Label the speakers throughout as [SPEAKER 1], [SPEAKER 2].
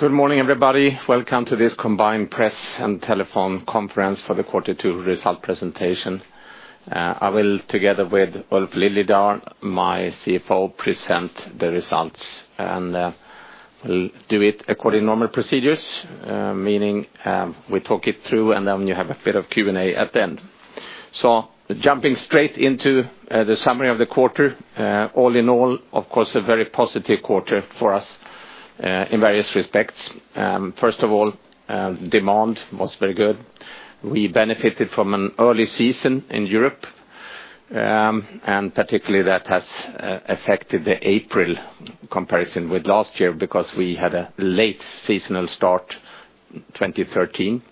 [SPEAKER 1] Good morning, everybody. Welcome to this combined press and telephone conference for the quarter two result presentation. I will, together with Ulf Liljedahl, my CFO, present the results, we will do it according to normal procedures, meaning we talk it through. Then you have a bit of Q&A at the end. Jumping straight into the summary of the quarter. All in all, of course, a very positive quarter for us in various respects. First of all, demand was very good. We benefited from an early season in Europe. Particularly that has affected the April comparison with last year because we had a late seasonal start in 2013.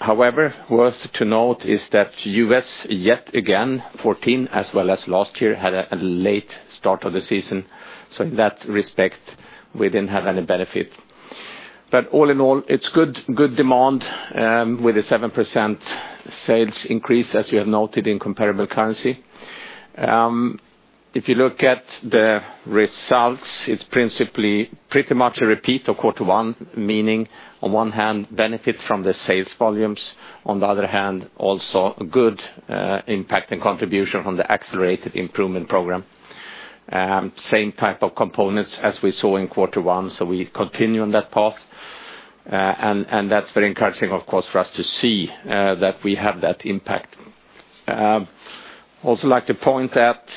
[SPEAKER 1] However, worth to note is that U.S., yet again, 2014 as well as last year, had a late start of the season. In that respect, we didn't have any benefit. All in all, it's good demand, with a 7% sales increase, as you have noted, in comparable currency. If you look at the results, it's principally pretty much a repeat of quarter one, meaning on one hand, benefit from the sales volumes. On the other hand, also a good impact and contribution from the Accelerated Improvement Program. Same type of components as we saw in quarter one. We continue on that path. That's very encouraging, of course, for us to see that we have that impact. Also like to point at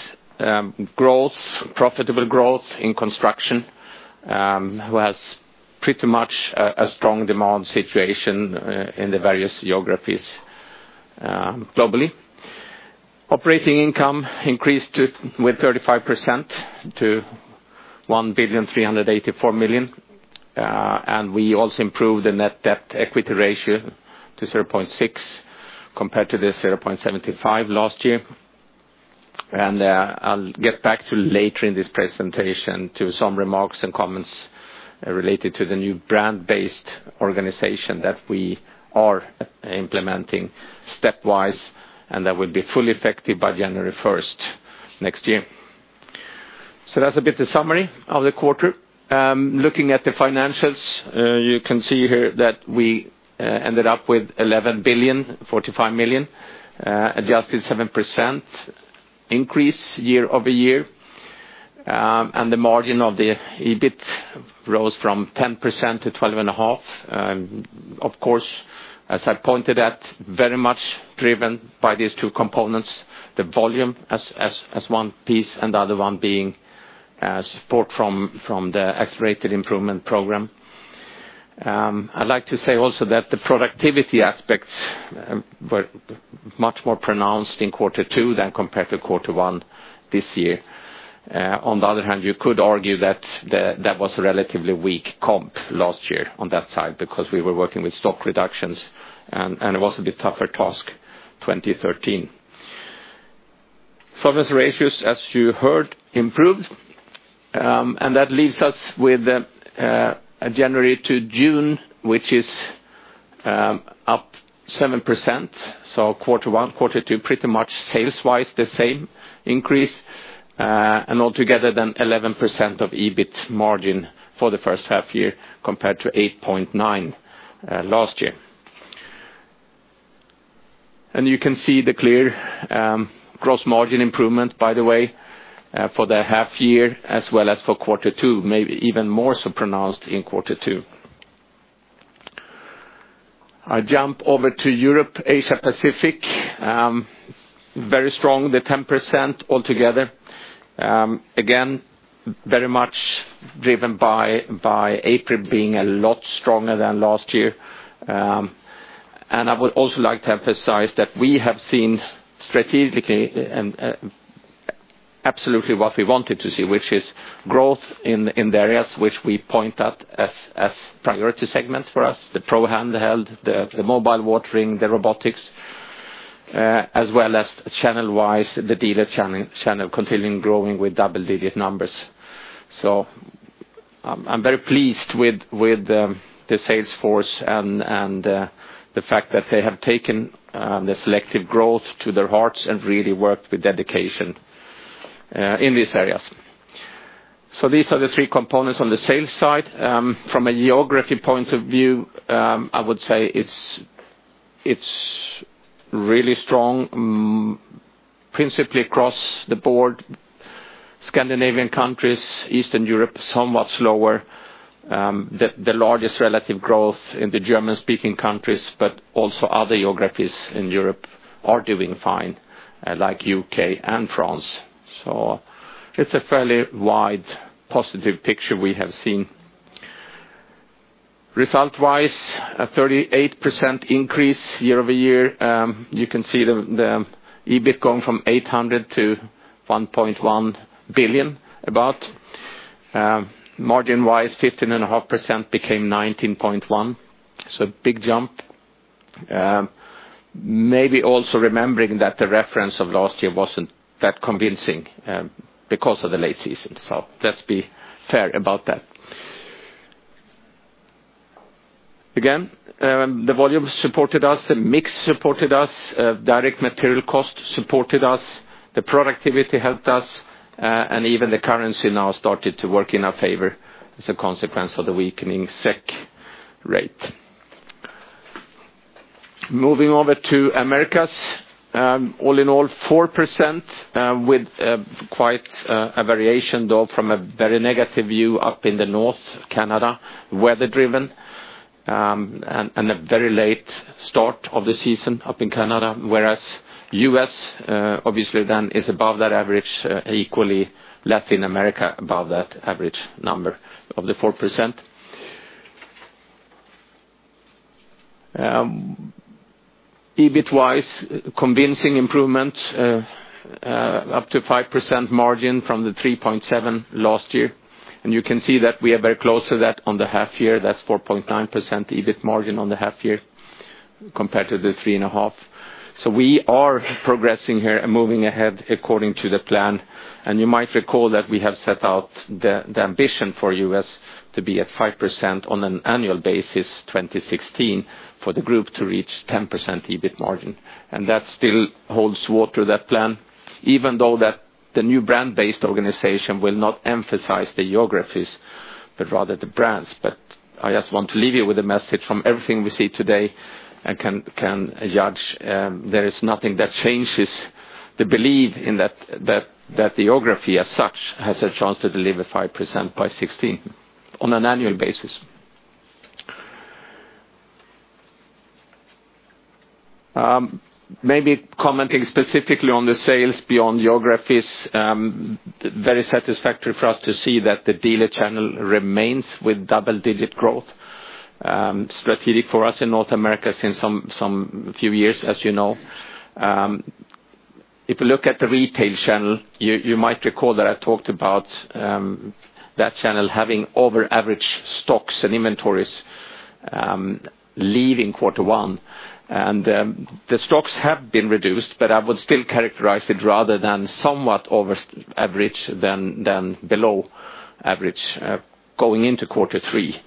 [SPEAKER 1] growth, profitable growth in Construction, who has pretty much a strong demand situation in the various geographies globally. Operating income increased with 35% to 1,384,000,000. We also improved the net debt/equity ratio to 0.6 compared to the 0.75 last year. I'll get back to later in this presentation to some remarks and comments related to the new brand-based organization that we are implementing stepwise and that will be fully effective by January 1st next year. That's a bit the summary of the quarter. Looking at the financials, you can see here that we ended up with 11,045,000,000, adjusted 7% increase year-over-year. The margin of the EBIT rose from 10% to 12.5%. Of course, as I pointed at, very much driven by these two components, the volume as one piece and the other one being support from the Accelerated Improvement Program. I'd like to say also that the productivity aspects were much more pronounced in quarter two than compared to quarter one this year. On the other hand, you could argue that that was a relatively weak comp last year on that side because we were working with stock reductions. It was a bit tougher task 2013. Solvency ratios, as you heard, improved. That leaves us with a January to June, which is up 7%. Quarter one, quarter two, pretty much sales-wise, the same increase, altogether then 11% of EBIT margin for the first half year compared to 8.9% last year. You can see the clear gross margin improvement, by the way, for the half year as well as for quarter two, maybe even more so pronounced in quarter two. I jump over to Europe & Asia/Pacific. Very strong, the 10% altogether. Again, very much driven by April being a lot stronger than last year. I would also like to emphasize that we have seen strategically absolutely what we wanted to see, which is growth in the areas which we point at as priority segments for us, the Pro handheld, the mobile watering, the robotics, as well as channel-wise, the dealer channel continuing growing with double-digit numbers. I'm very pleased with the sales force and the fact that they have taken the selective growth to their hearts and really worked with dedication in these areas. These are the three components on the sales side. From a geographic point of view, I would say it's really strong principally across the board. Scandinavian countries, Eastern Europe, somewhat slower. The largest relative growth in the German-speaking countries, but also other geographies in Europe are doing fine, like U.K. and France. It's a fairly wide positive picture we have seen. Result-wise, a 38% increase year-over-year. You can see the EBIT going from 800 million to 1.1 billion, about. Margin-wise, 15.5% became 19.1%. A big jump. Maybe also remembering that the reference of last year wasn't that convincing because of the late season. Let's be fair about that. Again, the volume supported us, the mix supported us, direct material cost supported us, the productivity helped us, and even the currency now started to work in our favor as a consequence of the weakening SEK rate. Moving over to Americas. All in all, 4% with quite a variation though from a very negative view up in the north, Canada, weather driven, and a very late start of the season up in Canada, whereas U.S. obviously then is above that average, equally Latin America above that average number of the 4%. EBIT-wise, convincing improvement up to 5% margin from the 3.7% last year. You can see that we are very close to that on the half year. That's 4.9% EBIT margin on the half year compared to the 3.5%. We are progressing here and moving ahead according to the plan. You might recall that we have set out the ambition for U.S. to be at 5% on an annual basis 2016 for the group to reach 10% EBIT margin. That still holds water, that plan, even though the new brand-based organization will not emphasize the geographies, but rather the brands. I just want to leave you with a message from everything we see today and can judge, there is nothing that changes the belief in that geography as such has a chance to deliver 5% by 2016 on an annual basis. Maybe commenting specifically on the sales beyond geographies, very satisfactory for us to see that the dealer channel remains with double-digit growth. Strategic for us in North America since some few years, as you know. If you look at the retail channel, you might recall that I talked about that channel having over average stocks and inventories leaving quarter one. The stocks have been reduced, but I would still characterize it rather than somewhat over average than below average going into quarter three.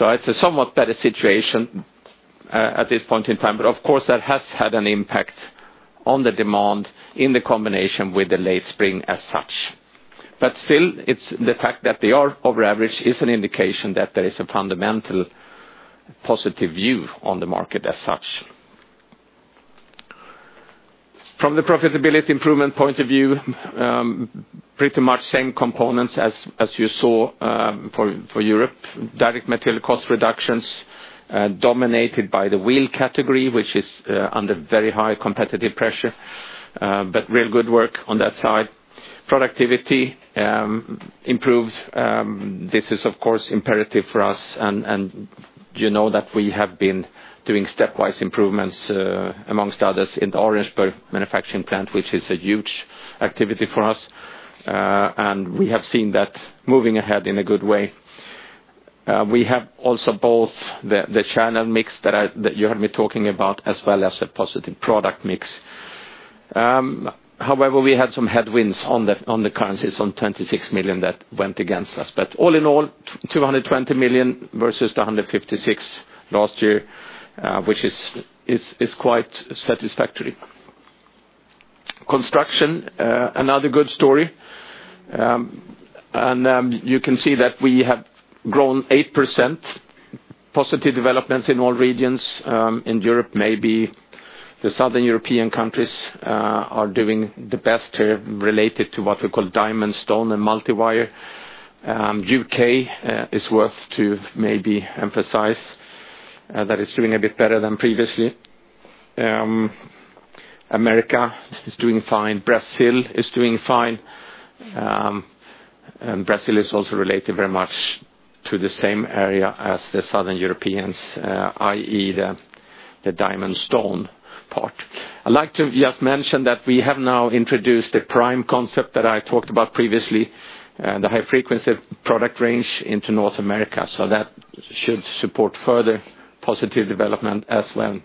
[SPEAKER 1] It's a somewhat better situation at this point in time. Of course, that has had an impact on the demand in the combination with the late spring as such. Still, it's the fact that they are over average is an indication that there is a fundamental positive view on the market as such. From the profitability improvement point of view, pretty much same components as you saw for Europe. Direct material cost reductions dominated by the wheeled category, which is under very high competitive pressure, but real good work on that side. Productivity improved. This is of course imperative for us, and you know that we have been doing stepwise improvements amongst others in the Orangeburg manufacturing plant, which is a huge activity for us. We have seen that moving ahead in a good way. We have also both the channel mix that you heard me talking about as well as a positive product mix. However, we had some headwinds on the currencies on 26 million that went against us. All in all, 220 million versus 156 million last year, which is quite satisfactory. Construction, another good story. You can see that we have grown 8% positive developments in all regions in Europe. Maybe the southern European countries are doing the best here related to what we call diamond stone and multi-wire. U.K. is worth to maybe emphasize that it's doing a bit better than previously. America is doing fine. Brazil is doing fine. Brazil is also related very much to the same area as the southern Europeans, i.e., the diamond stone part. I'd like to just mention that we have now introduced the PRIME concept that I talked about previously, the high frequency product range into North America. That should support further positive development as well.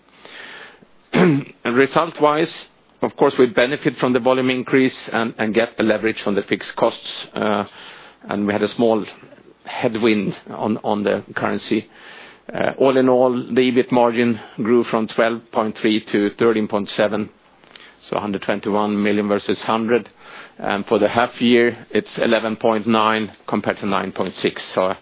[SPEAKER 1] Result-wise, of course, we benefit from the volume increase and get a leverage on the fixed costs, and we had a small headwind on the currency. All in all, the EBIT margin grew from 12.3% to 13.7%, so 121 million versus 100 million. For the half year, it's 11.9% compared to 9.6%.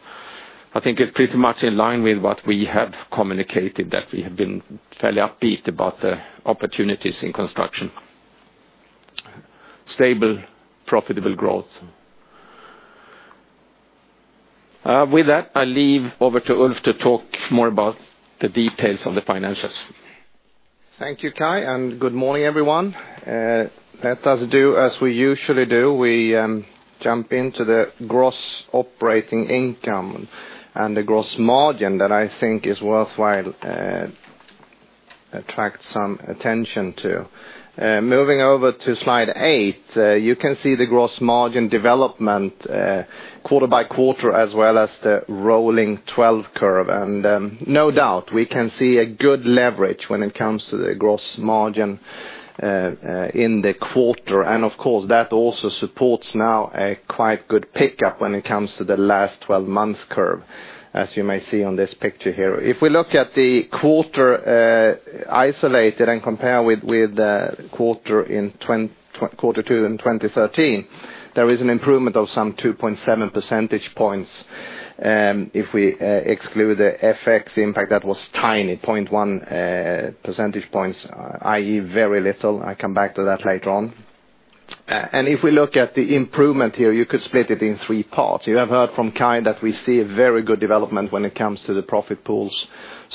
[SPEAKER 1] I think it's pretty much in line with what we have communicated that we have been fairly upbeat about the opportunities in construction. Stable, profitable growth. With that, I leave over to Ulf to talk more about the details of the financials.
[SPEAKER 2] Thank you, Kai, and good morning, everyone. Let us do as we usually do. We jump into the gross operating income and the gross margin that I think is worthwhile attract some attention to. Moving over to slide eight, you can see the gross margin development quarter by quarter as well as the rolling 12 curve. No doubt, we can see a good leverage when it comes to the gross margin in the quarter, and of course, that also supports now a quite good pickup when it comes to the last 12-month curve, as you may see on this picture here. If we look at the quarter isolated and compare with the quarter 2 in 2013, there is an improvement of some 2.7 percentage points. If we exclude the FX impact, that was tiny, 0.1 percentage points, i.e., very little. I come back to that later on. If we look at the improvement here, you could split it in three parts. You have heard from Kai that we see a very good development when it comes to the profit pools.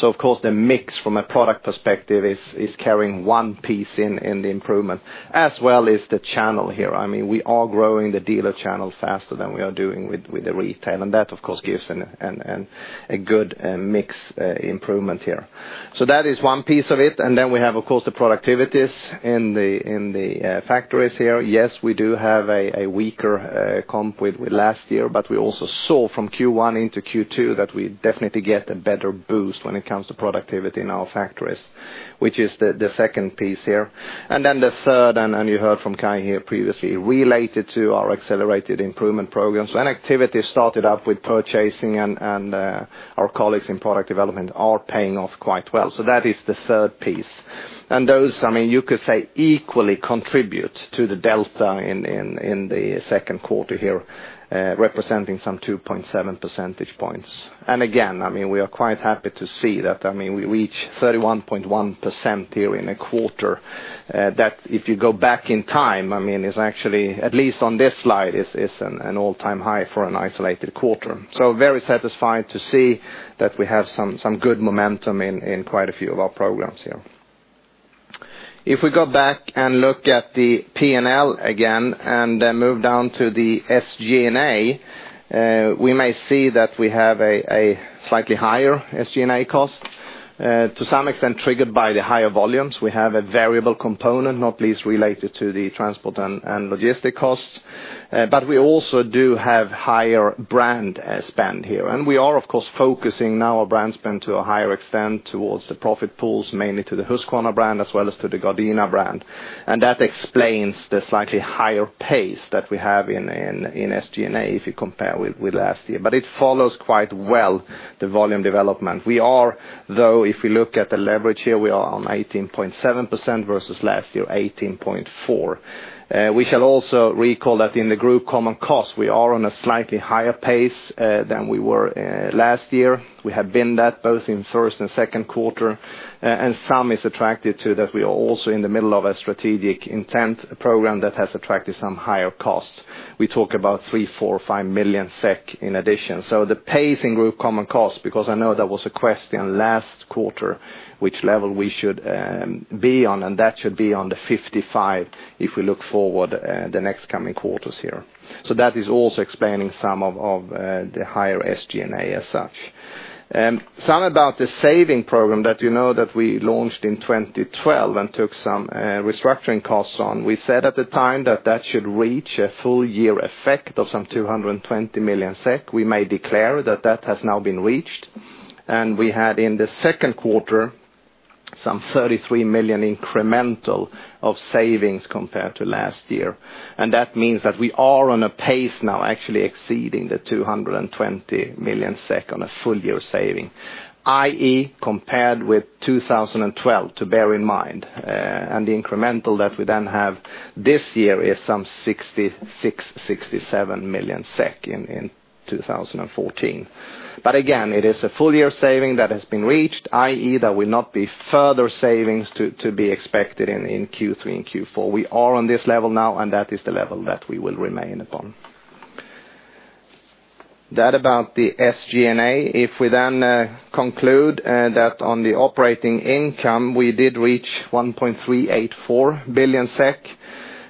[SPEAKER 2] Of course, the mix from a product perspective is carrying one piece in the improvement, as well as the channel here. We are growing the dealer channel faster than we are doing with the retail, and that, of course, gives a good mix improvement here. That is one piece of it. We have, of course, the productivities in the factories here. Yes, we do have a weaker comp with last year, but we also saw from Q1 into Q2 that we definitely get a better boost when it comes to productivity in our factories, which is the second piece here. The third, and you heard from Kai here previously, related to our Accelerated Improvement Programs. When activity started up with purchasing and our colleagues in product development are paying off quite well. That is the third piece. Those, you could say, equally contribute to the delta in the second quarter here, representing some 2.7 percentage points. Again, we are quite happy to see that we reach 31.1% here in a quarter. That, if you go back in time, is actually, at least on this slide, is an all-time high for an isolated quarter. Very satisfied to see that we have some good momentum in quite a few of our programs here. If we go back and look at the P&L again, and move down to the SG&A, we may see that we have a slightly higher SG&A cost. To some extent triggered by the higher volumes. We have a variable component, not least related to the transport and logistic costs. We also do have higher brand spend here. We are, of course, focusing now our brand spend to a higher extent towards the profit pools, mainly to the Husqvarna brand, as well as to the Gardena brand. That explains the slightly higher pace that we have in SG&A if you compare with last year. It follows quite well the volume development. We are, though, if we look at the leverage here, we are on 18.7% versus last year, 18.4%. We shall also recall that in the group common cost, we are on a slightly higher pace than we were last year. We have been that both in first and second quarter, and some is attracted to that we are also in the middle of a strategic intent program that has attracted some higher costs. We talk about 3 million SEK, 4 million, 5 million SEK in addition. The pace in group common costs, because I know there was a question last quarter which level we should be on, and that should be on the 55 if we look forward the next coming quarters here. That is also explaining some of the higher SG&A as such. Some about the saving program that you know that we launched in 2012 and took some restructuring costs on. We said at the time that that should reach a full year effect of some 220 million SEK. We had in the second quarter some 33 million incremental of savings compared to last year. That means that we are on a pace now actually exceeding the 220 million SEK on a full year saving, i.e., compared with 2012, to bear in mind, the incremental that we then have this year is some 66 million-67 million SEK in 2014. Again, it is a full year saving that has been reached, i.e., there will not be further savings to be expected in Q3 and Q4. We are on this level now, and that is the level that we will remain upon. That about the SG&A. If we then conclude that on the operating income, we did reach 1.384 billion SEK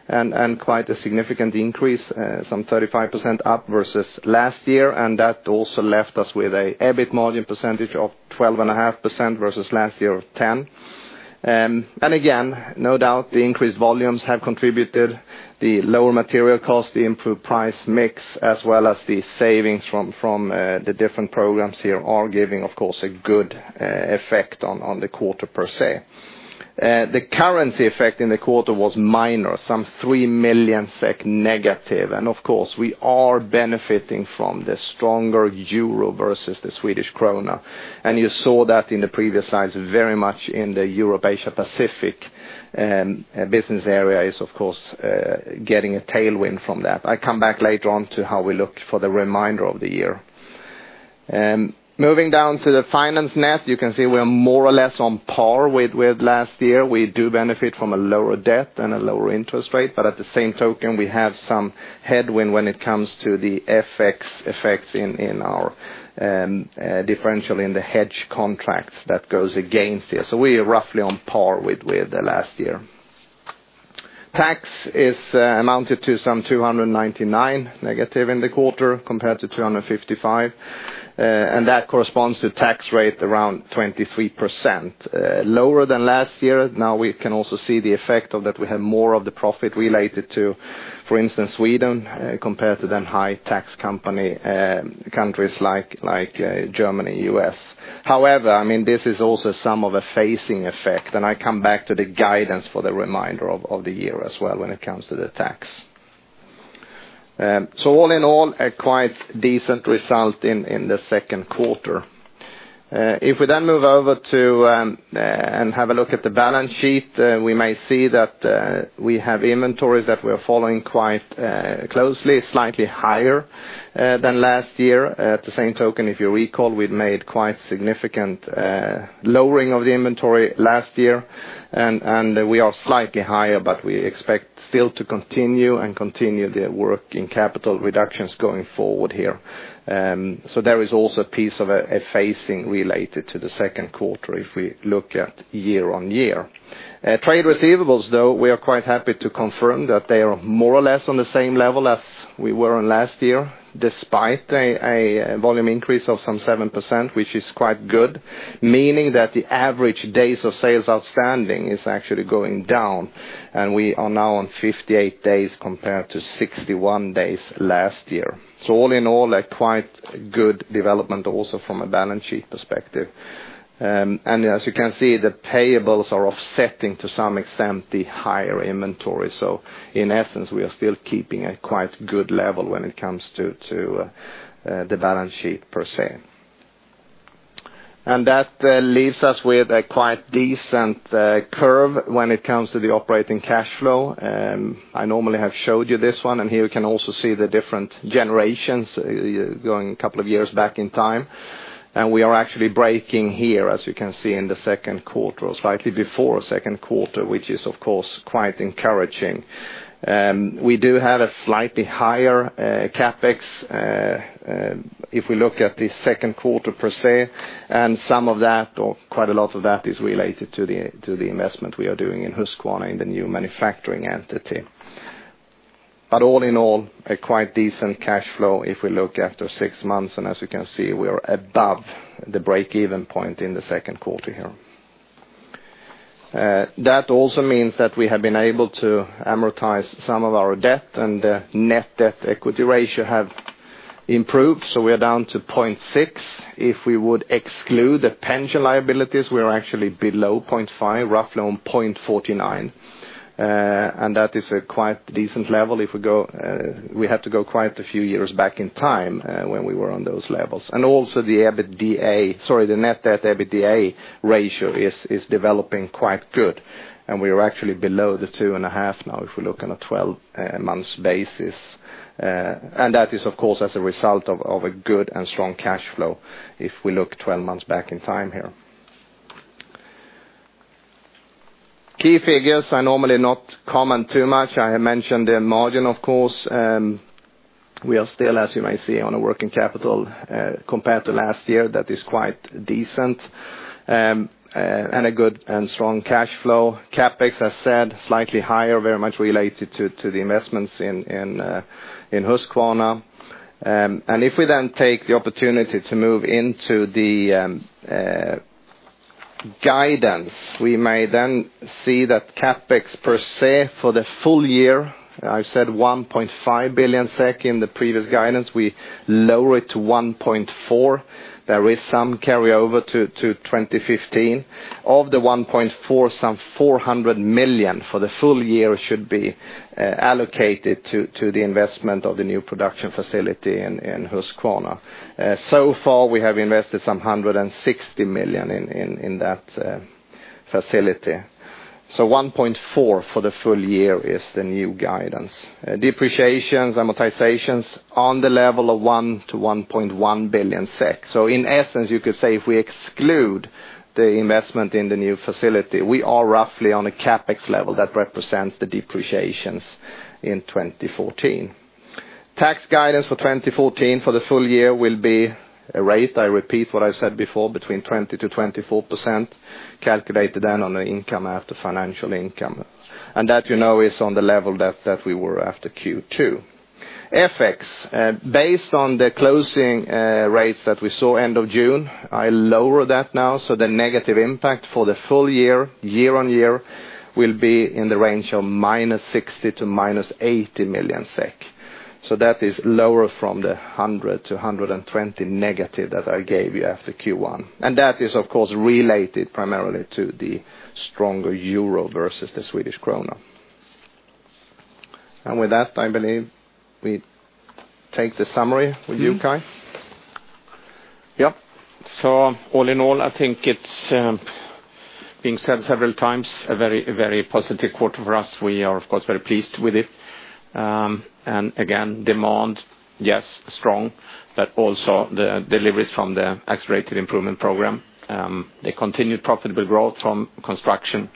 [SPEAKER 2] and quite a significant increase, some 35% up versus last year, that also left us with an EBIT margin percentage of 12.5% versus last year of 10%. Again, no doubt the increased volumes have contributed. The lower material cost, the improved price mix, as well as the savings from the different programs here are giving, of course, a good effect on the quarter per se. The currency effect in the quarter was minor, some 3 million SEK negative. Of course, we are benefiting from the stronger EUR versus the Swedish krona. You saw that in the previous slides very much in the Europe & Asia/Pacific business area is, of course, getting a tailwind from that. I come back later on to how we look for the remainder of the year. Moving down to the finance net, you can see we are more or less on par with last year. We do benefit from a lower debt and a lower interest rate, but at the same token, we have some headwind when it comes to the FX effects in our differential in the hedge contracts that goes against here. We are roughly on par with the last year. Tax is amounted to some 299 negative in the quarter compared to 255, that corresponds to tax rate around 23%, lower than last year. Now we can also see the effect of that we have more of the profit related to, for instance, Sweden compared to them high tax company countries like Germany, U.S. However, this is also some of a phasing effect, and I come back to the guidance for the remainder of the year as well when it comes to the tax. All in all, a quite decent result in the second quarter. If we then move over to and have a look at the balance sheet, we may see that we have inventories that we're following quite closely, slightly higher than last year. At the same token, if you recall, we've made quite significant lowering of the inventory last year, and we are slightly higher, but we expect still to continue and continue their work in capital reductions going forward here. There is also a piece of a phasing related to the second quarter if we look at year-over-year. Trade receivables, though, we are quite happy to confirm that they are more or less on the same level as we were on last year, despite a volume increase of some 7%, which is quite good. Meaning that the average days of sales outstanding is actually going down, and we are now on 58 days compared to 61 days last year. All in all, a quite good development also from a balance sheet perspective. As you can see, the payables are offsetting to some extent the higher inventory. In essence, we are still keeping a quite good level when it comes to the balance sheet per se. That leaves us with a quite decent curve when it comes to the operating cash flow. I normally have showed you this one, here we can also see the different generations going a couple of years back in time. We are actually breaking here, as you can see in the second quarter or slightly before second quarter, which is of course quite encouraging. We do have a slightly higher CapEx, if we look at the second quarter per se, and some of that or quite a lot of that is related to the investment we are doing in Husqvarna in the new manufacturing entity. All in all, a quite decent cash flow if we look after six months, as you can see, we are above the break-even point in the second quarter here. That also means that we have been able to amortize some of our debt and net debt equity ratio have improved, so we are down to 0.6. If we would exclude the pension liabilities, we are actually below 0.5, roughly on 0.49. That is a quite decent level. We have to go quite a few years back in time when we were on those levels. Also the net debt EBITDA ratio is developing quite good, we are actually below the 2.5 now, if we look on a 12 months basis. That is, of course, as a result of a good and strong cash flow if we look 12 months back in time here. Key figures, I normally not comment too much. I have mentioned the margin, of course. We are still, as you may see, on a working capital compared to last year that is quite decent and a good and strong cash flow. CapEx, as said, slightly higher, very much related to the investments in Husqvarna. If we then take the opportunity to move into the guidance, we may then see that CapEx per se for the full year, I said 1.5 billion SEK in the previous guidance, we lower it to 1.4 billion. There is some carryover to 2015. Of the 1.4 billion, some 400 million for the full year should be allocated to the investment of the new production facility in Husqvarna. Far, we have invested some 160 million in that facility. 1.4 billion for the full year is the new guidance. Depreciations, amortizations on the level of 1 billion-1.1 billion SEK. In essence, you could say if we exclude the investment in the new facility, we are roughly on a CapEx level that represents the depreciations in 2014. Tax guidance for 2014 for the full year will be a rate, I repeat what I said before, between 20%-24%, calculated then on the income after financial income. That you know is on the level that we were after Q2. FX, based on the closing rates that we saw end of June, I lower that now, so the negative impact for the full year-on-year, will be in the range of -60 million to -80 million SEK. That is lower from the 100 million to 120 million negative that I gave you after Q1. That is, of course, related primarily to the stronger euro versus the Swedish krona. With that, I believe we take the summary with you, Kai.
[SPEAKER 1] Yep. All in all, I think it's being said several times, a very positive quarter for us. We are, of course, very pleased with it. Again, demand, yes, strong, but also the deliveries from the Accelerated Improvement Program, a continued profitable growth from construction,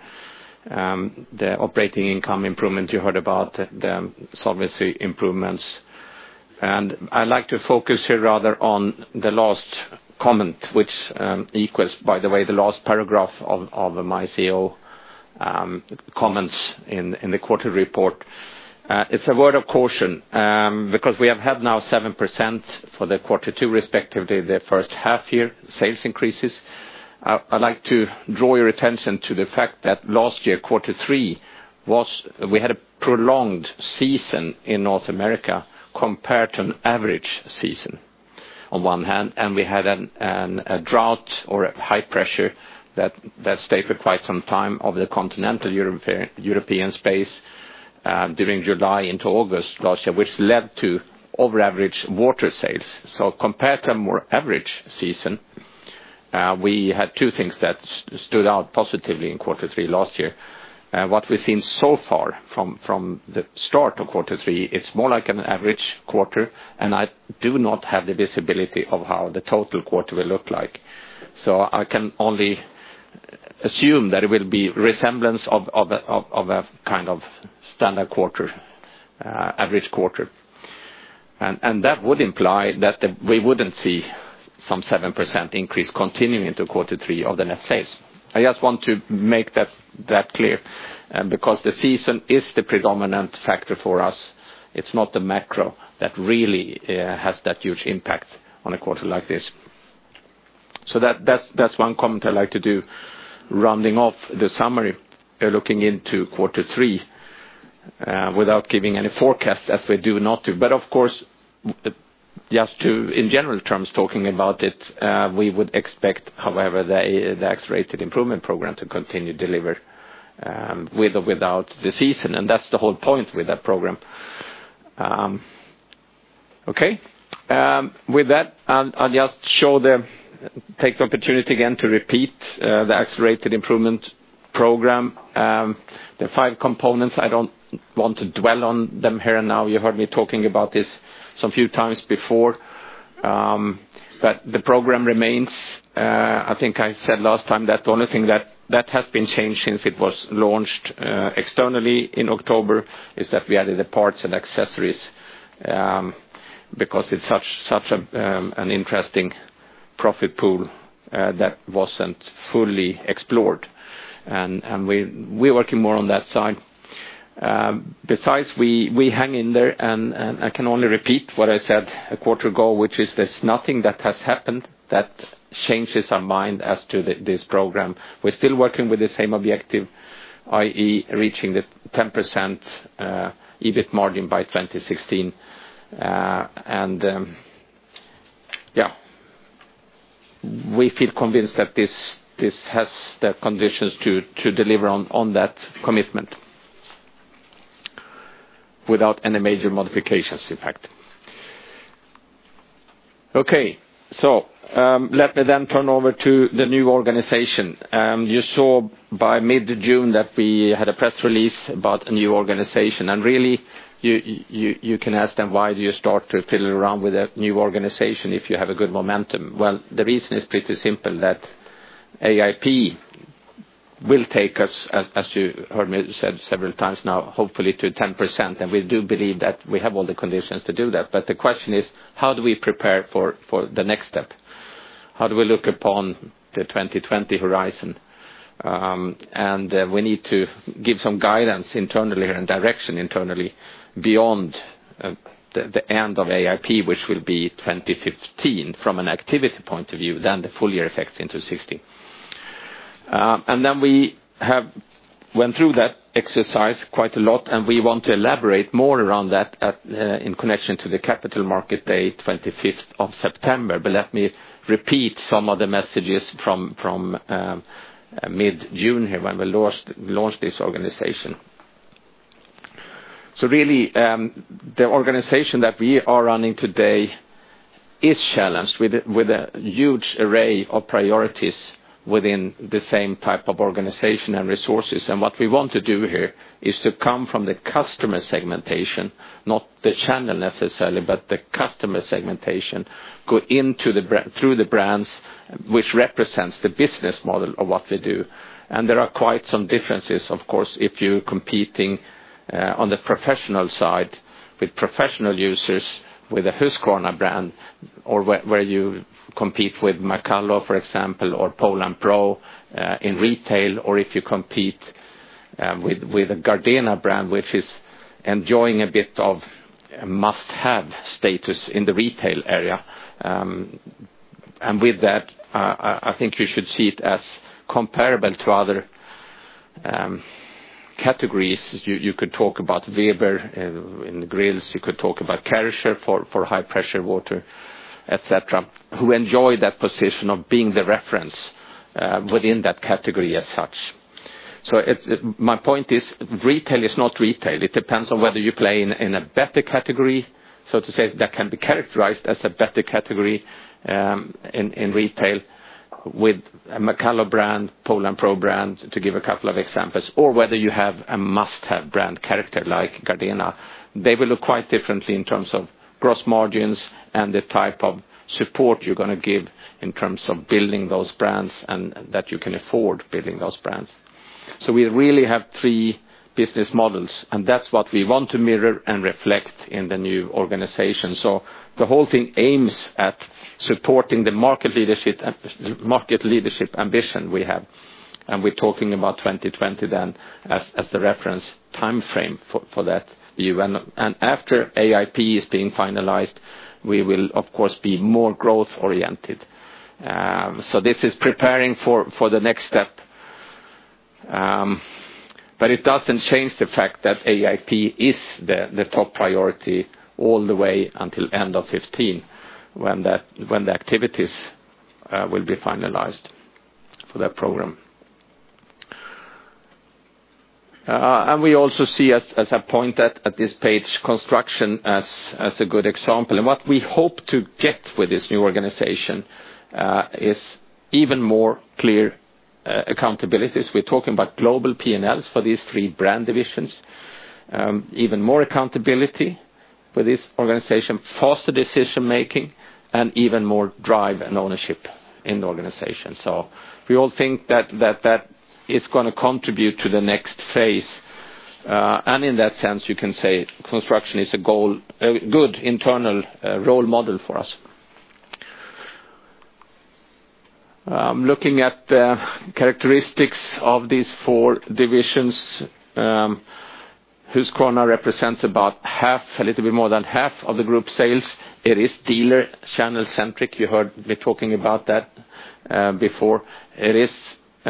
[SPEAKER 1] the operating income improvement you heard about, the solvency improvements. I'd like to focus here rather on the last comment, which equals, by the way, the last paragraph of my CEO comments in the quarter report. It's a word of caution, because we have had now 7% for the quarter two, respectively, the first half year sales increases. I'd like to draw your attention to the fact that last year, quarter three, we had a prolonged season in North America compared to an average season on one hand, we had a drought or a high pressure that stayed for quite some time of the continental European space, during July into August last year, which led to over average water sales. Compared to a more average season, we had two things that stood out positively in quarter three last year. What we've seen so far from the start of quarter three, it's more like an average quarter, I do not have the visibility of how the total quarter will look like. I can only assume that it will be resemblance of a standard average quarter. That would imply that we wouldn't see some 7% increase continuing into quarter three of the net sales. I just want to make that clear, because the season is the predominant factor for us. It's not the macro that really has that huge impact on a quarter like this. That's one comment I'd like to do, rounding off the summary, looking into quarter three, without giving any forecast as we do not do. Of course, just to, in general terms, talking about it, we would expect, however, the Accelerated Improvement Program to continue deliver, with or without the season. That's the whole point with that program. Okay. With that, I'll just take the opportunity again to repeat, the Accelerated Improvement Program. The five components, I don't want to dwell on them here and now. You've heard me talking about this some few times before. The program remains. I think I said last time that the only thing that has been changed since it was launched externally in October is that we added the parts and accessories, because it's such an interesting profit pool that wasn't fully explored. We're working more on that side. Besides, we hang in there, and I can only repeat what I said a quarter ago, which is there's nothing that has happened that changes our mind as to this program. We're still working with the same objective, i.e. reaching the 10% EBIT margin by 2016. We feel convinced that this has the conditions to deliver on that commitment without any major modifications, in fact. Okay. Let me then turn over to the new organization. You saw by mid-June that we had a press release about a new organization. Really, you can ask then why do you start to fiddle around with a new organization if you have a good momentum? Well, the reason is pretty simple that AIP will take us, as you heard me said several times now, hopefully to 10%, and we do believe that we have all the conditions to do that. The question is, how do we prepare for the next step? How do we look upon the 2020 horizon? We need to give some guidance internally and direction internally beyond the end of AIP, which will be 2015 from an activity point of view, then the full year effects into 2016. Then we have went through that exercise quite a lot, and we want to elaborate more around that in connection to the Capital Markets Day 25th of September. Let me repeat some of the messages from mid-June here when we launched this organization. Really, the organization that we are running today is challenged with a huge array of priorities within the same type of organization and resources. What we want to do here is to come from the customer segmentation, not the channel necessarily, but the customer segmentation, go through the brands, which represents the business model of what we do. There are quite some differences, of course, if you're competing on the professional side with professional users with a Husqvarna brand, or where you compete with McCulloch, for example, or Poulan Pro, in retail, or if you compete with a Gardena brand, which is enjoying a bit of must-have status in the retail area. With that, I think you should see it as comparable to other categories. You could talk about Weber in grills, you could talk about Kärcher for high pressure water, et cetera, who enjoy that position of being the reference within that category as such. My point is, retail is not retail. It depends on whether you play in a better category, so to say, that can be characterized as a better category, in retail with a McCulloch brand, Poulan Pro brand, to give a couple of examples, or whether you have a must-have brand character like Gardena. They will look quite differently in terms of gross margins and the type of support you're going to give in terms of building those brands and that you can afford building those brands. We really have three business models, and that's what we want to mirror and reflect in the new organization. The whole thing aims at supporting the market leadership ambition we have. We're talking about 2020 then as the reference timeframe for that view. After AIP is being finalized, we will of course be more growth-oriented. This is preparing for the next step. It doesn't change the fact that AIP is the top priority all the way until end of 2015, when the activities will be finalized for that program. We also see, as I pointed at this page, construction as a good example. What we hope to get with this new organization, is even more clear accountabilities. We're talking about global P&Ls for these three brand divisions. Even more accountability for this organization, faster decision-making, and even more drive and ownership in the organization. We all think that is going to contribute to the next phase. In that sense, you can say construction is a good internal role model for us. Looking at the characteristics of these four divisions. Husqvarna represents about half, a little bit more than half of the group sales. It is dealer channel-centric. You heard me talking about that before. It is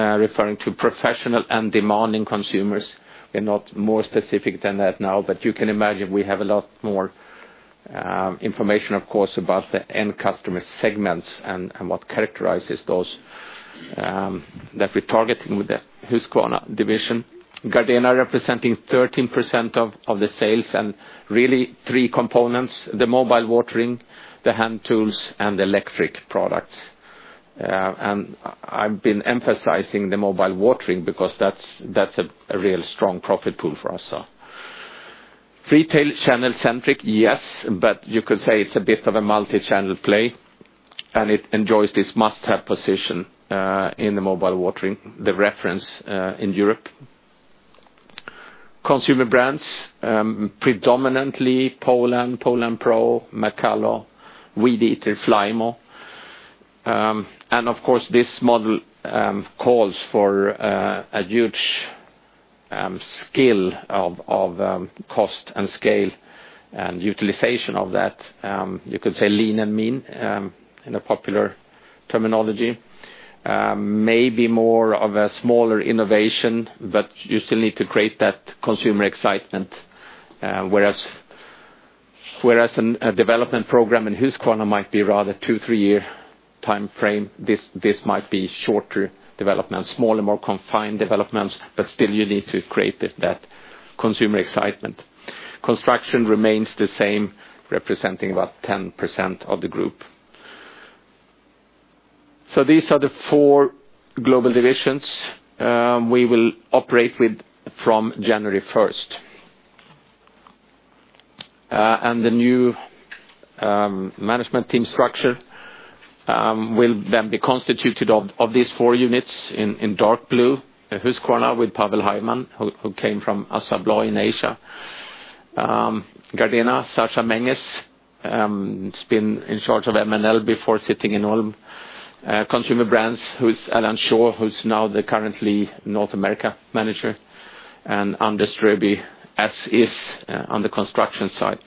[SPEAKER 1] referring to professional and demanding consumers. We're not more specific than that now, but you can imagine we have a lot more information of course, about the end customer segments and what characterizes those, that we're targeting with the Husqvarna division. Gardena representing 13% of the sales and really three components, the mobile watering, the hand tools, and the electric products. I've been emphasizing the mobile watering because that's a real strong profit pool for us. Retail channel centric, yes, but you could say it's a bit of a multi-channel play, and it enjoys this must-have position in the mobile watering, the reference in Europe. Consumer brands, predominantly Poulan Pro, McCulloch, Weed Eater, Flymo. Of course, this model calls for a huge skill of cost and scale and utilization of that. You could say lean and mean, in a popular terminology. Maybe more of a smaller innovation, but you still need to create that consumer excitement. Whereas a development program in Husqvarna might be rather two, three-year timeframe, this might be shorter developments, smaller, more confined developments, but still you need to create that consumer excitement. Construction remains the same, representing about 10% of the group. These are the four global divisions we will operate with from January 1st. The new management team structure will then be constituted of these four units in dark blue, Husqvarna with Pavel Hajman, who came from ASSA ABLOY in Asia. Gardena, Sascha Menges, has been in charge of M&L before sitting in all consumer brands, who's Alan Shaw, who's now the currently North America manager, and Anders Ströby as is on the construction side.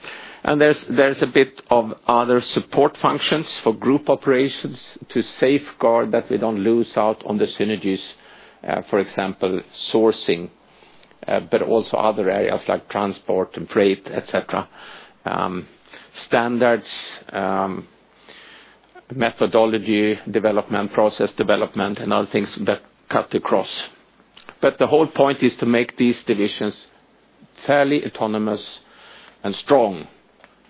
[SPEAKER 1] There's a bit of other support functions for group operations to safeguard that we don't lose out on the synergies, for example, sourcing, but also other areas like transport and freight, et cetera. Standards, methodology development, process development, and other things that cut across. The whole point is to make these divisions fairly autonomous and strong,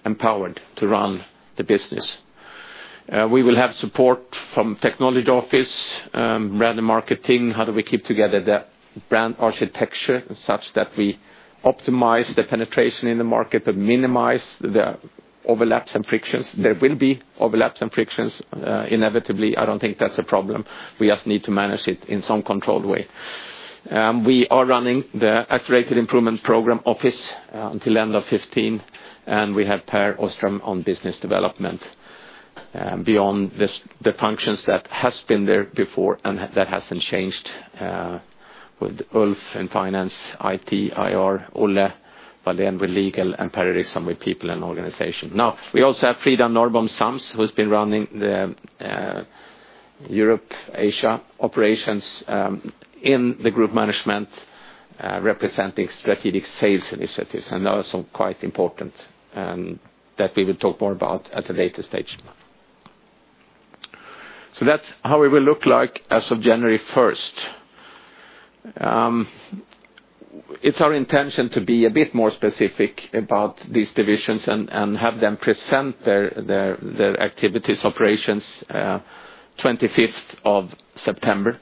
[SPEAKER 1] empowered to run the business. We will have support from technology office, brand marketing, how do we keep together the brand architecture such that we optimize the penetration in the market but minimize the overlaps and frictions. There will be overlaps and frictions inevitably. I don't think that's a problem. We just need to manage it in some controlled way. We are running the Accelerated Improvement Program office until end of 2015. We have Pär Åström on business development beyond the functions that has been there before, and that hasn't changed with Ulf in finance, IT, IR, Olle Wallén with legal, and Per Ericson with people and organization. We also have Frida Norrbom Sams, who's been running the Europe-Asia operations in the group management, representing strategic sales initiatives, and also quite important that we will talk more about at a later stage. That's how it will look like as of January 1st. It's our intention to be a bit more specific about these divisions and have them present their activities, operations, 25th of September.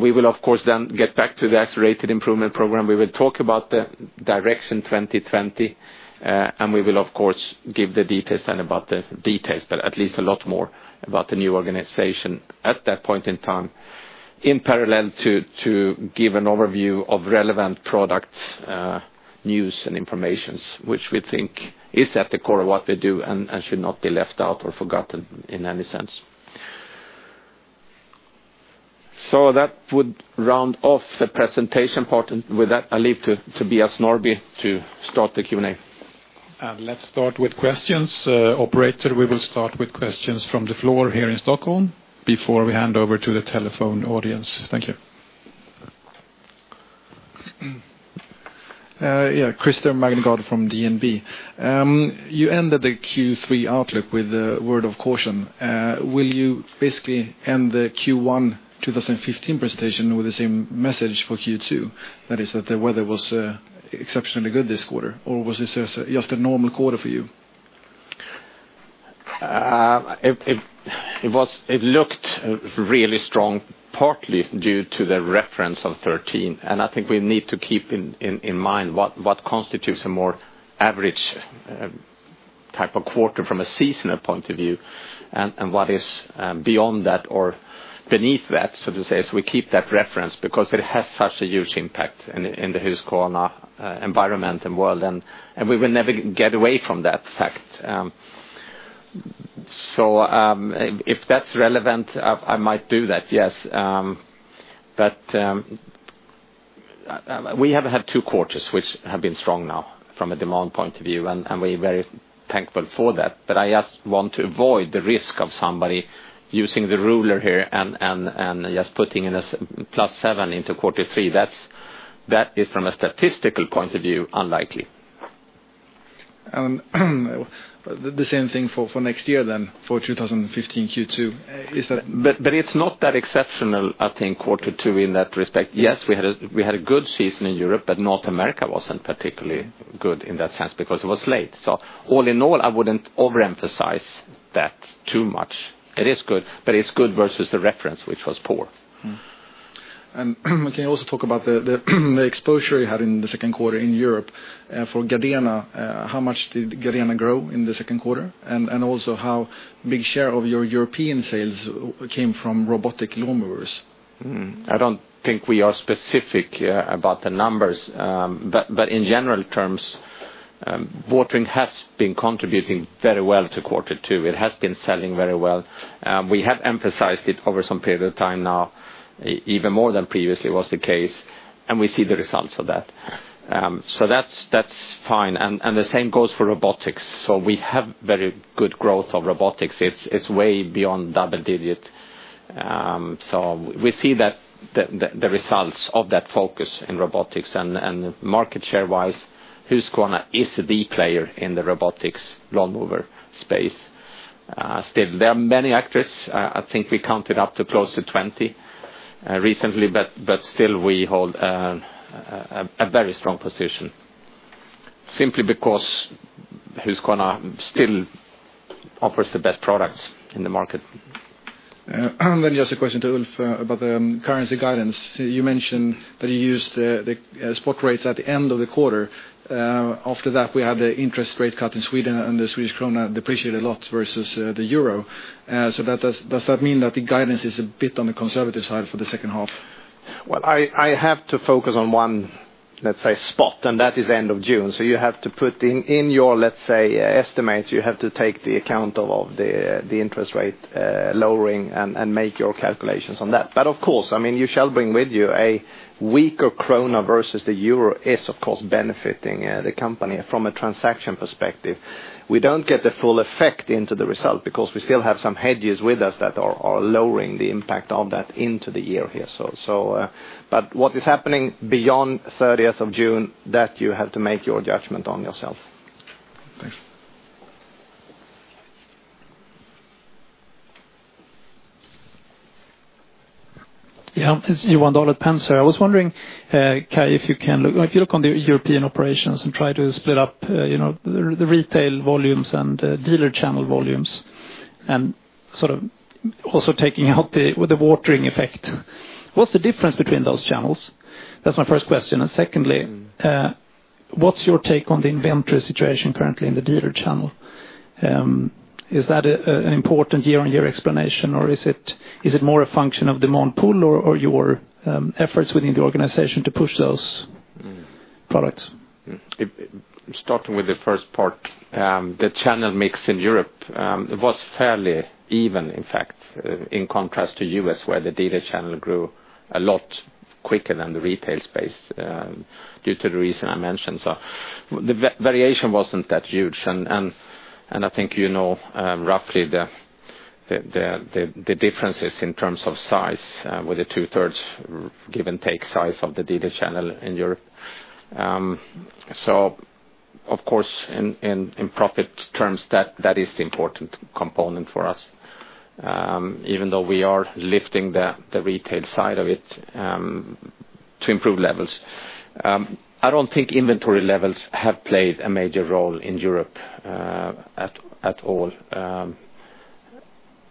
[SPEAKER 1] We will, of course, then get back to the Accelerated Improvement Program. We will talk about the Direction 2020. We will, of course, give the details and about the details, but at least a lot more about the new organization at that point in time, in parallel to give an overview of relevant products, news, and information, which we think is at the core of what we do and should not be left out or forgotten in any sense. That would round off the presentation part. With that, I leave to Tobias Norrby to start the Q&A.
[SPEAKER 3] Let's start with questions. Operator, we will start with questions from the floor here in Stockholm before we hand over to the telephone audience. Thank you.
[SPEAKER 4] Yeah. Christer Magnergård from DNB. You ended the Q3 outlook with a word of caution. Will you basically end the Q1 2015 presentation with the same message for Q2, that is that the weather was exceptionally good this quarter? Or was this just a normal quarter for you?
[SPEAKER 1] It looked really strong, partly due to the reference of 2013. I think we need to keep in mind what constitutes a more average type of quarter from a seasonal point of view and what is beyond that or beneath that, so to say, as we keep that reference, because it has such a huge impact in the Husqvarna environment and world, and we will never get away from that fact. If that's relevant, I might do that, yes. We have had two quarters which have been strong now from a demand point of view, and we are very thankful for that. I just want to avoid the risk of somebody using the ruler here and just putting in a +7% into quarter three. That is, from a statistical point of view, unlikely.
[SPEAKER 4] The same thing for next year, for 2015 Q2, is that?
[SPEAKER 1] It's not that exceptional, I think, quarter two in that respect. Yes, we had a good season in Europe. North America wasn't particularly good in that sense because it was late. All in all, I wouldn't overemphasize that too much. It is good, but it's good versus the reference, which was poor.
[SPEAKER 4] Can you also talk about the exposure you had in the second quarter in Europe, for Gardena, how much did Gardena grow in the second quarter? Also, how big share of your European sales came from robotic lawnmowers?
[SPEAKER 1] I don't think we are specific about the numbers. But in general terms, watering has been contributing very well to quarter two. It has been selling very well. We have emphasized it over some period of time now, even more than previously was the case, and we see the results of that. That's fine. And the same goes for robotics. We have very good growth of robotics. It's way beyond double-digit. We see the results of that focus in robotics. And market share-wise, Husqvarna is the player in the robotic lawnmower space. Still, there are many actors. I think we counted up to close to 20 recently, but still, we hold a very strong position simply because Husqvarna still offers the best products in the market.
[SPEAKER 4] Just a question to Ulf about the currency guidance. You mentioned that you used the spot rates at the end of the quarter. After that, we had the interest rate cut in Sweden and the Swedish krona depreciated a lot versus the euro. Does that mean that the guidance is a bit on the conservative side for the second half?
[SPEAKER 2] Well, I have to focus on one, let's say, spot, and that is end of June. So you have to put in your, let's say, estimates, you have to take the account of the interest rate lowering and make your calculations on that. But of course, you shall bring with you a weaker krona versus the euro is, of course, benefiting the company from a transaction perspective. We don't get the full effect into the result because we still have some hedges with us that are lowering the impact of that into the year here. But what is happening beyond 30th of June, that you have to make your judgment on yourself.
[SPEAKER 4] Thanks.
[SPEAKER 5] Yeah. It's Johan Dahl here. I was wondering, Kai, if you look on the European operations and try to split up the retail volumes and dealer channel volumes and also taking out the watering effect, what's the difference between those channels? That's my first question. Secondly, what's your take on the inventory situation currently in the dealer channel? Is that an important year-on-year explanation, or is it more a function of demand pool or your efforts within the organization to push those products?
[SPEAKER 1] Starting with the first part, the channel mix in Europe, it was fairly even, in fact, in contrast to U.S., where the dealer channel grew a lot quicker than the retail space due to the reason I mentioned. The variation wasn't that huge, and I think you know roughly the differences in terms of size, with the two-thirds, give and take, size of the dealer channel in Europe. Of course, in profit terms, that is the important component for us, even though we are lifting the retail side of it to improve levels. I don't think inventory levels have played a major role in Europe at all.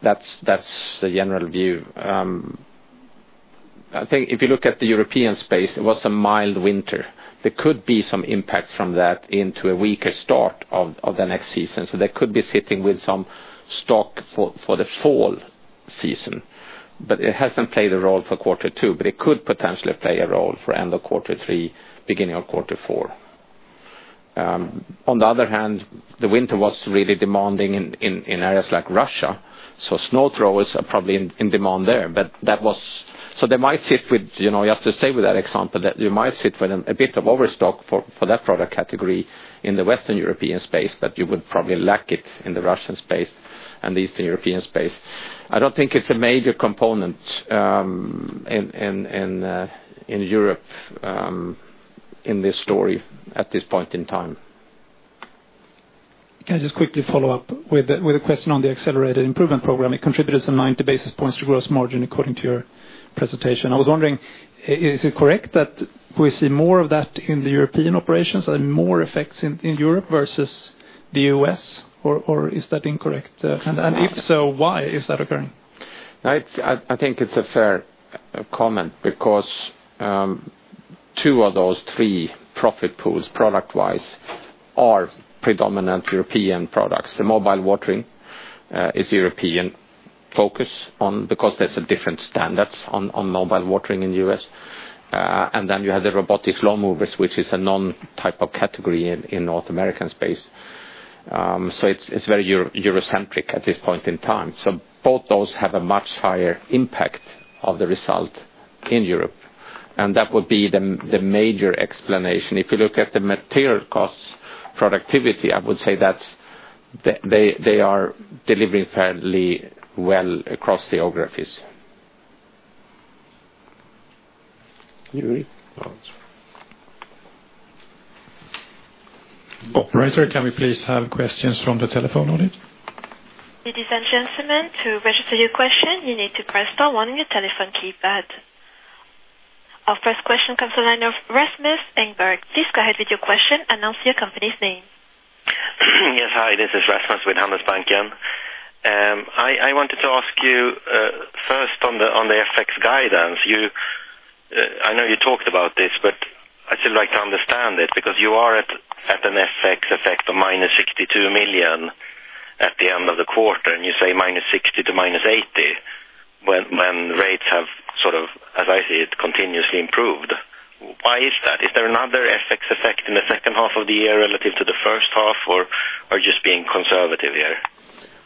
[SPEAKER 1] That's the general view. I think if you look at the European space, it was a mild winter. There could be some impact from that into a weaker start of the next season. They could be sitting with some stock for the fall season. It hasn't played a role for quarter two, but it could potentially play a role for end of quarter three, beginning of quarter four. On the other hand, the winter was really demanding in areas like Russia. Snow blowers are probably in demand there. You have to stay with that example, that you might sit with a bit of overstock for that product category in the Western European space, but you would probably lack it in the Russian space and the Eastern European space. I don't think it's a major component in Europe in this story at this point in time.
[SPEAKER 5] Can I just quickly follow up with a question on the Accelerated Improvement Program? It contributes some 90 basis points to gross margin, according to your presentation. I was wondering, is it correct that we see more of that in the European operations and more effects in Europe versus the U.S., or is that incorrect? If so, why is that occurring?
[SPEAKER 1] I think it's a fair comment because two of those three profit pools, product-wise, are predominant European products. The mobile watering is European focus because there's different standards on mobile watering in the U.S. You have the robotic lawnmowers, which is a non-type of category in North American space. It's very Eurocentric at this point in time. Both those have a much higher impact of the result in Europe. That would be the major explanation. If you look at the material costs, productivity, I would say that they are delivering fairly well across geographies.
[SPEAKER 3] Operator, can we please have questions from the telephone only?
[SPEAKER 6] Ladies and gentlemen, to register your question, you need to press star one on your telephone keypad. Our first question comes from the line of Rasmus Engberg. Please go ahead with your question and announce your company's name.
[SPEAKER 7] Yes, hi, this is Rasmus with Handelsbanken. I wanted to ask you first on the FX guidance. I know you talked about this, but I still like to understand it because you are at an FX effect of minus 62 million at the end of the quarter, and you say minus 60 to minus 80, when rates have sort of, as I see it, continuously improved. Why is that? Is there another FX effect in the second half of the year relative to the first half, or are you just being conservative here?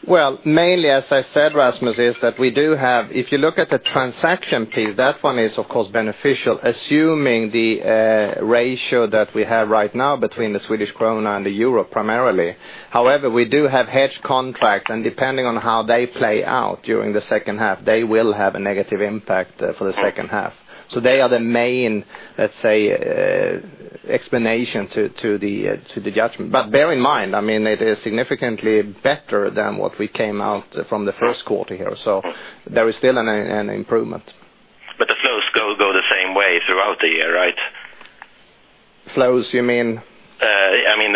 [SPEAKER 2] Well, mainly, as I said, Rasmus, if you look at the transaction piece, that one is, of course, beneficial, assuming the ratio that we have right now between the Swedish krona and the euro, primarily. However, we do have hedge contracts, and depending on how they play out during the second half, they will have a negative impact for the second half. They are the main, let's say, explanation to the judgment. Bear in mind, it is significantly better than what we came out from the first quarter here, so there is still an improvement.
[SPEAKER 7] The flows go the same way throughout the year, right?
[SPEAKER 2] Flows, you mean?
[SPEAKER 7] I mean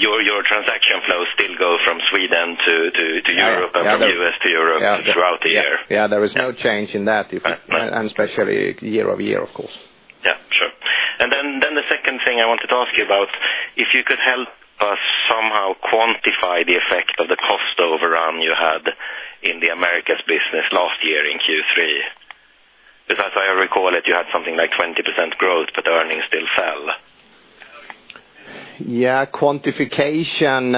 [SPEAKER 7] your transaction flows still go from Sweden to Europe.
[SPEAKER 2] Yeah. From the U.S. to Europe throughout the year. Yeah. There is no change in that, and especially year-over-year, of course.
[SPEAKER 7] Yeah, sure. The second thing I wanted to ask you about, if you could help us somehow quantify the effect of the cost overrun you had in the Americas business last year in Q3. As I recall it, you had something like 20% growth, but earnings still fell.
[SPEAKER 1] Yeah, quantification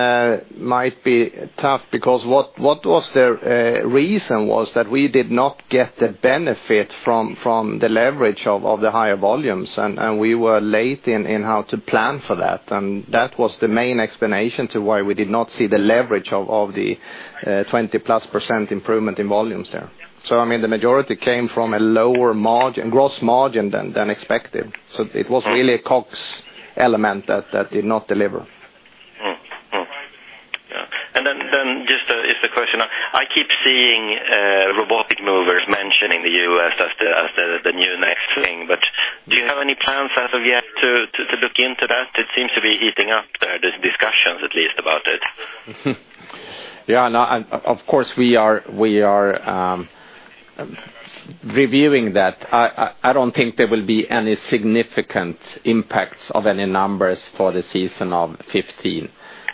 [SPEAKER 1] might be tough because what was the reason was that we did not get the benefit from the leverage of the higher volumes, and we were late in how to plan for that. That was the main explanation to why we did not see the leverage of the 20-plus % improvement in volumes there. The majority came from a lower gross margin than expected. It was really a COGS element that did not deliver.
[SPEAKER 7] Yeah. Just as the question, I keep seeing robotic lawnmowers mentioning the U.S. as the new next thing, do you have any plans as of yet to look into that? It seems to be heating up there's discussions at least about it.
[SPEAKER 1] We are reviewing that. I don't think there will be any significant impacts of any numbers for the season of 2015.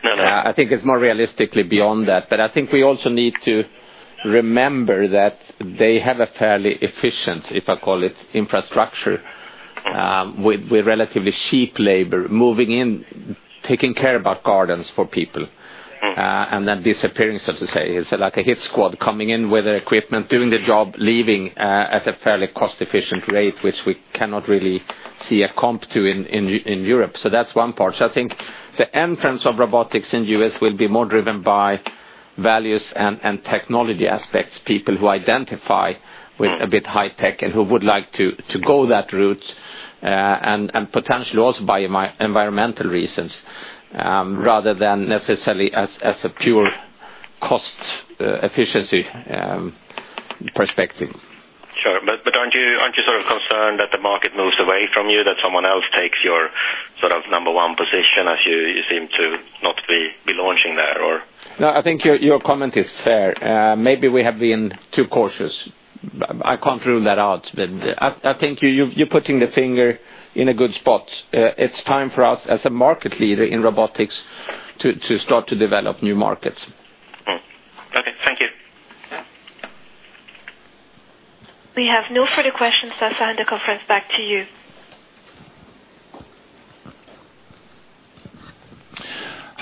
[SPEAKER 7] No.
[SPEAKER 1] I think it's more realistically beyond that. I think we also need to remember that they have a fairly efficient, if I call it, infrastructure, with relatively cheap labor moving in, taking care about gardens for people, and then disappearing, so to say, it's like a hit squad coming in with their equipment, doing the job, leaving at a fairly cost-efficient rate, which we cannot really see a comp to in Europe. That's one part. I think the entrance of robotics in U.S. will be more driven by values and technology aspects, people who identify with a bit high tech and who would like to go that route, and potentially also by environmental reasons, rather than necessarily as a pure cost efficiency perspective.
[SPEAKER 7] Sure. Aren't you sort of concerned that the market moves away from you, that someone else takes your number one position as you seem to not be launching there or?
[SPEAKER 1] No, I think your comment is fair. Maybe we have been too cautious. I can't rule that out. I think you're putting the finger in a good spot. It's time for us as a market leader in robotics to start to develop new markets.
[SPEAKER 6] We have no further questions. I hand the conference back to you.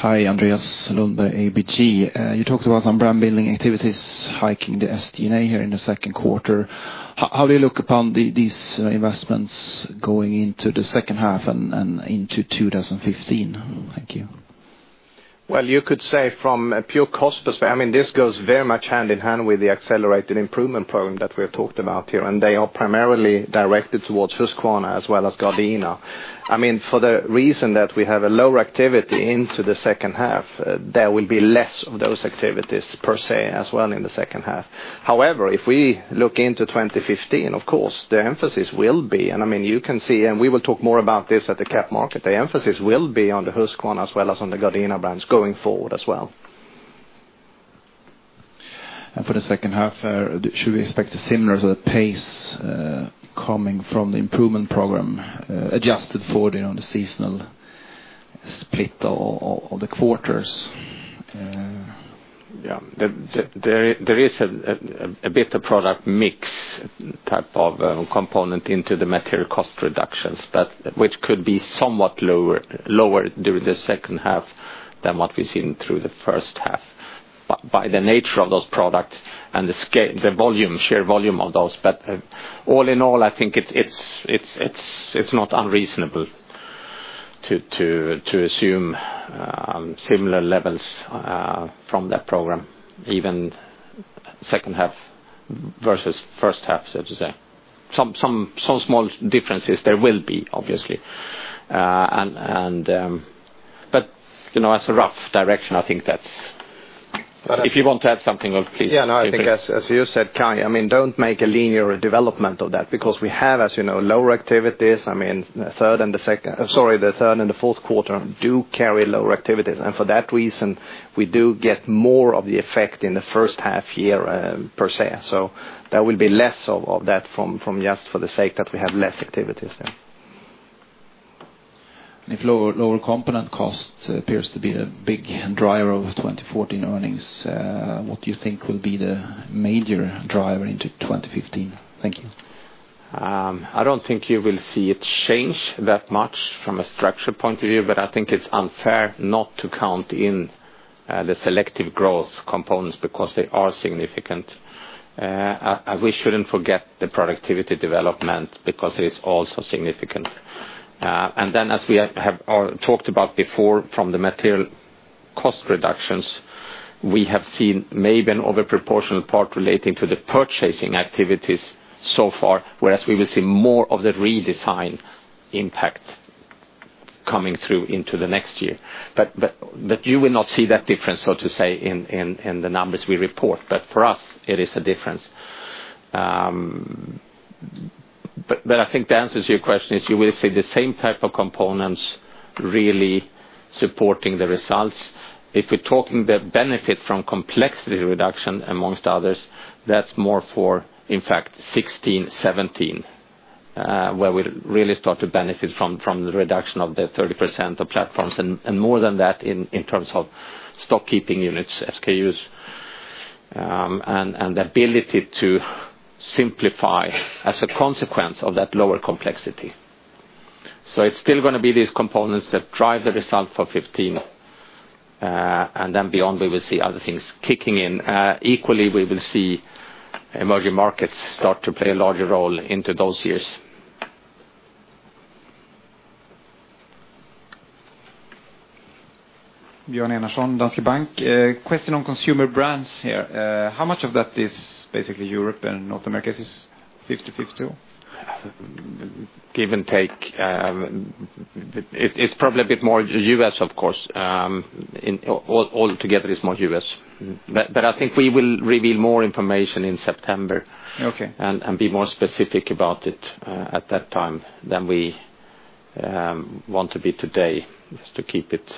[SPEAKER 8] Hi, Andreas Lundberg, ABG. You talked about some brand-building activities hiking the SG&A here in the second quarter. How do you look upon these investments going into the second half and into 2015? Thank you.
[SPEAKER 1] Well, you could say from a pure cost perspective, this goes very much hand in hand with the Accelerated Improvement Program that we have talked about here, and they are primarily directed towards Husqvarna as well as Gardena. For the reason that we have a lower activity into the second half, there will be less of those activities per se as well in the second half. However, if we look into 2015, of course, the emphasis will be, and you can see, and we will talk more about this at the cap market, the emphasis will be on the Husqvarna as well as on the Gardena brands going forward as well.
[SPEAKER 8] For the second half, should we expect a similar sort of pace coming from the Improvement Program, adjusted for the seasonal split of the quarters?
[SPEAKER 1] There is a bit of product mix type of component into the material cost reductions, which could be somewhat lower during the second half than what we've seen through the first half, by the nature of those products and the sheer volume of those. All in all, I think it's not unreasonable to assume similar levels from that program, even second half versus first half, so to say. Some small differences there will be, obviously. As a rough direction, I think that's. If you want to add something, please.
[SPEAKER 2] I think as you said, Kai, don't make a linear development of that because we have, as you know, lower activities. The third and the fourth quarter do carry lower activities, for that reason, we do get more of the effect in the first half year per se. There will be less of that from just for the sake that we have less activities there.
[SPEAKER 8] If lower component cost appears to be a big driver of 2014 earnings, what do you think will be the major driver into 2015? Thank you.
[SPEAKER 1] I don't think you will see it change that much from a structure point of view, I think it's unfair not to count in the selective growth components because they are significant. We shouldn't forget the productivity development because it is also significant. Then as we have talked about before from the material cost reductions, we have seen maybe an overproportional part relating to the purchasing activities so far, whereas we will see more of the redesign impact coming through into the next year. You will not see that difference, so to say, in the numbers we report. For us, it is a difference. I think the answer to your question is you will see the same type of components really supporting the results. If we're talking the benefit from complexity reduction amongst others, that's more for, in fact, 2016, 2017, where we'll really start to benefit from the reduction of the 30% of platforms and more than that in terms of Stock Keeping Units, SKUs, and the ability to simplify as a consequence of that lower complexity. It's still going to be these components that drive the result for 2015, and then beyond, we will see other things kicking in. Equally, we will see emerging markets start to play a larger role into those years.
[SPEAKER 9] Björn Enarson, Danske Bank. Question on Consumer Brands here. How much of that is basically Europe and North America? Is this 50/50?
[SPEAKER 1] Give and take. It's probably a bit more U.S., of course. Altogether, it's more U.S. I think we will reveal more information in September.
[SPEAKER 9] Okay.
[SPEAKER 1] Be more specific about it at that time than we want to be today, just to keep it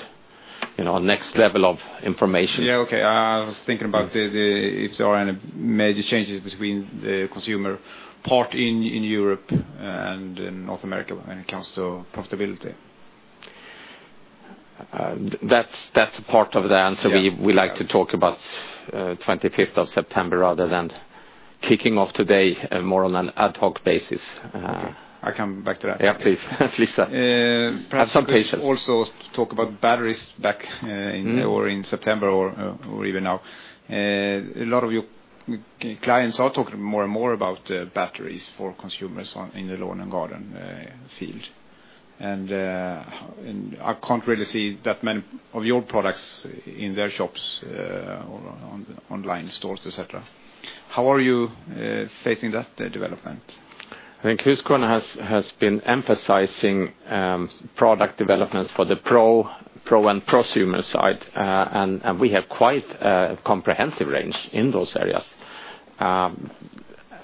[SPEAKER 1] next level of information.
[SPEAKER 9] Yeah, okay. I was thinking about if there are any major changes between the consumer part in Europe and in North America when it comes to profitability.
[SPEAKER 1] That's a part of the answer we like to talk about 25th of September rather than kicking off today more on an ad hoc basis.
[SPEAKER 9] I come back to that.
[SPEAKER 1] Yeah, please sir. Have some patience.
[SPEAKER 9] Perhaps we could also talk about batteries back in September or even now. A lot of your clients are talking more and more about batteries for consumers in the lawn and garden field. I can't really see that many of your products in their shops or on online stores, et cetera. How are you facing that development?
[SPEAKER 1] I think Husqvarna has been emphasizing product developments for the pro and prosumer side, we have quite a comprehensive range in those areas.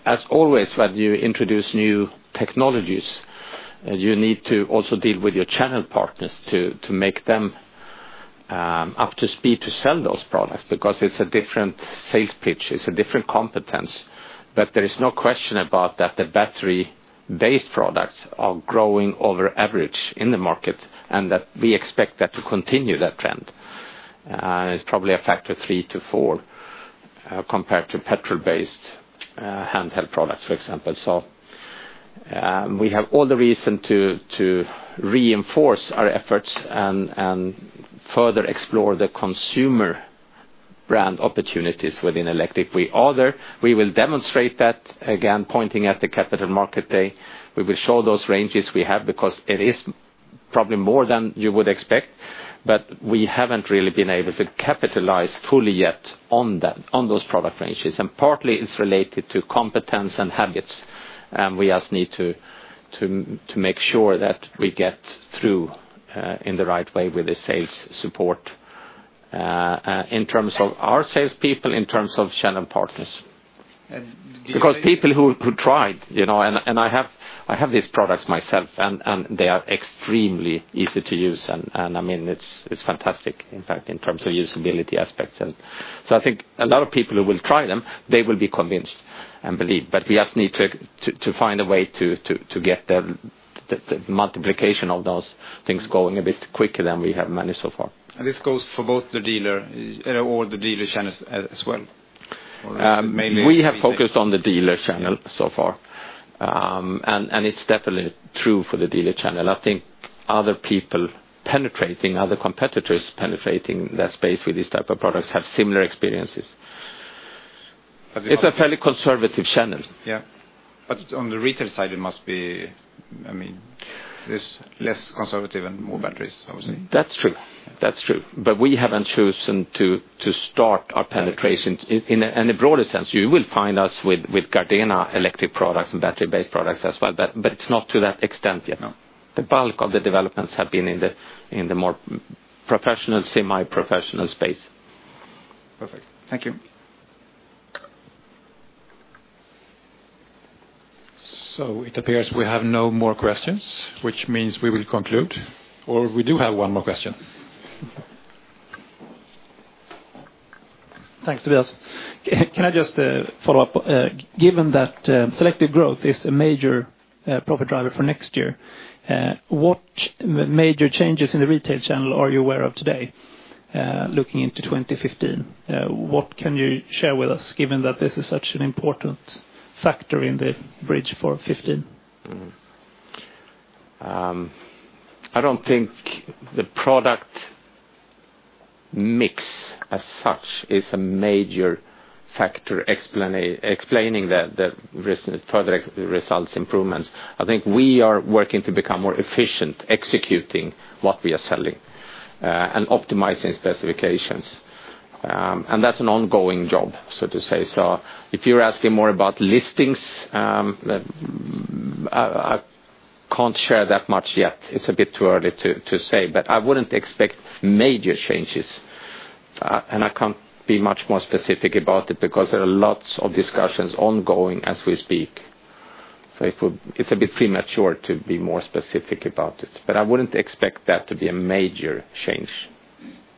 [SPEAKER 1] As always, when you introduce new technologies, you need to also deal with your channel partners to make them up to speed to sell those products because it's a different sales pitch, it's a different competence. There is no question about that the battery-based products are growing over average in the market, and that we expect that to continue that trend. It's probably a factor three to four compared to petrol-based handheld products, for example. We have all the reason to reinforce our efforts and further explore the consumer brand opportunities within electric. We will demonstrate that, again, pointing at the Capital Market Day. We will show those ranges we have, because it is probably more than you would expect, we haven't really been able to capitalize fully yet on those product ranges. Partly it's related to competence and habits, and we just need to make sure that we get through in the right way with the sales support, in terms of our salespeople, in terms of channel partners.
[SPEAKER 9] Do you see?
[SPEAKER 1] People who tried, I have these products myself, they are extremely easy to use. It's fantastic, in fact, in terms of usability aspects. I think a lot of people who will try them, they will be convinced and believe, but we just need to find a way to get the multiplication of those things going a bit quicker than we have managed so far.
[SPEAKER 9] This goes for both the dealer or the dealer channels as well? It's mainly-
[SPEAKER 1] We have focused on the dealer channel so far. It's definitely true for the dealer channel. I think other people penetrating, other competitors penetrating that space with these type of products have similar experiences.
[SPEAKER 9] But-
[SPEAKER 1] It's a fairly conservative channel.
[SPEAKER 9] On the retail side, it must be less conservative and more batteries, I would say.
[SPEAKER 1] That's true. We haven't chosen to start our penetration. In a broader sense, you will find us with Gardena electric products and battery-based products as well, but it's not to that extent yet.
[SPEAKER 9] No.
[SPEAKER 1] The bulk of the developments have been in the more professional, semi-professional space.
[SPEAKER 9] Perfect. Thank you.
[SPEAKER 3] It appears we have no more questions, which means we will conclude, or we do have one more question.
[SPEAKER 5] Thanks, Tobias. Can I just follow up? Given that selective growth is a major profit driver for next year, what major changes in the retail channel are you aware of today, looking into 2015? What can you share with us, given that this is such an important factor in the bridge for 2015?
[SPEAKER 1] I don't think the product mix as such is a major factor explaining the further results improvements. I think we are working to become more efficient, executing what we are selling, and optimizing specifications. That's an ongoing job, so to say. If you're asking more about listings, I can't share that much yet. It's a bit too early to say, but I wouldn't expect major changes. I can't be much more specific about it because there are lots of discussions ongoing as we speak. It's a bit premature to be more specific about it. I wouldn't expect that to be a major change.